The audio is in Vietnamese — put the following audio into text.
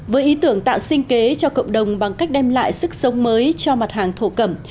với ý tưởng tạo sinh kế cho cộng đồng bằng cách đem lại sức sống mới cho mặt hàng thổ cẩm